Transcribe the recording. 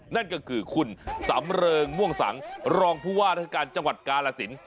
นั่นก็คือคุณสำเริงม่วงสังรองผู้ว่าราชการจังหวัดกาลสิน